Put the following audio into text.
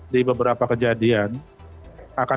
di beberapa kejadian